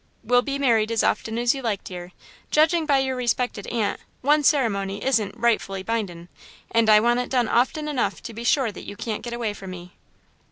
"We'll be married as often as you like, dear. Judging by your respected aunt, one ceremony isn't 'rightfully bindin', and I want it done often enough to be sure that you can't get away from me."